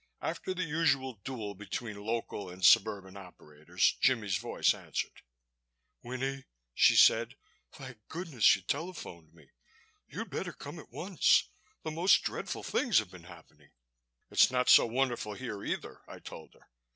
After the usual duel between local and suburban operators, Jimmie's voice answered. "Winnie," she said. "Thank goodness you telephoned me. You'd better come out at once. The most dreadful things have been happening." "It's not so wonderful here either," I told her.